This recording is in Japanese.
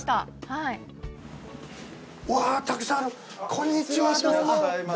うわたくさんあるこんにちはどうも。